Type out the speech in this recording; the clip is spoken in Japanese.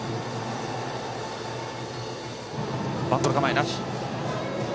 バントの構えはなし。